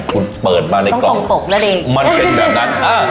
คุณเปิดมาในกล่องต่อแล้วมันแบบนั้น